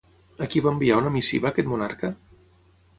A qui va enviar una missiva aquest monarca?